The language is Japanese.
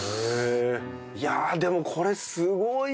いやでもこれすごいな。